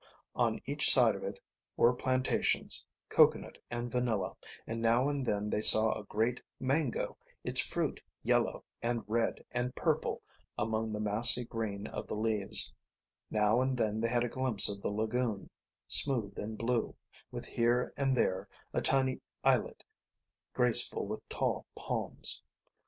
On each side of it were plantations, coconut and vanilla; and now and then they saw a great mango, its fruit yellow and red and purple among the massy green of the leaves; now and then they had a glimpse of the lagoon, smooth and blue, with here and there a tiny islet graceful with tall palms.